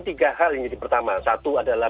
tiga hal yang jadi pertama satu adalah